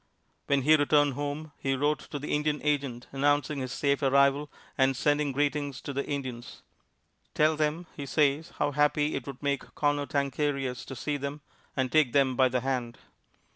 When he returned home, he wrote to the Indian agent, announcing his safe arrival and sending greetings to the Indians. "Tell them," he says, "how happy it would make Conotancarius to see them, and take them by the hand."